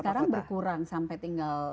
sekarang berkurang sampai tinggal